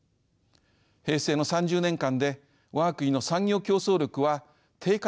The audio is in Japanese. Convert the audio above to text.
平成の３０年間で我が国の産業競争力は低下の一途をたどりました。